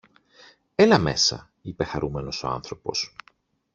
Έλα μέσα, είπε χαρούμενος ο άνθρωπος.